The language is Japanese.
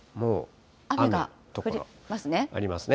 雨が降りますね。